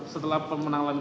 setelah pemenang lantai